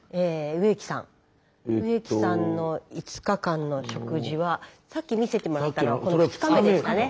植木さんの５日間の食事はさっき見せてもらったのはこの２日目ですかね。